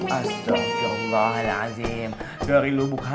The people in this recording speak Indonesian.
apakah orang ini jauh